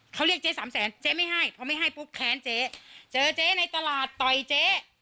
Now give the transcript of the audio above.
เขาเรียกเจ๊สามแสนเจ๊ไม่ให้พอไม่ให้ปุ๊บแค้นเจ๊เจอเจ๊ในตลาดต่อยเจ๊